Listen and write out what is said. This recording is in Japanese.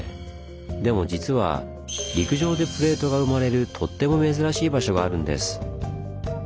でも実は陸上でプレートが生まれるとっても珍しい場所があるんです。